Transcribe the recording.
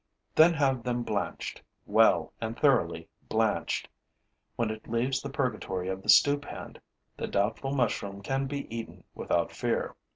Then have them blanched, well and thoroughly blanched. When it leaves the purgatory of the stewpan, the doubtful mushroom can be eaten without fear.